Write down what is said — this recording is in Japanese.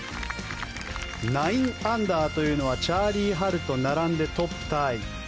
９アンダーというのはチャーリー・ハルと並んでトップタイ。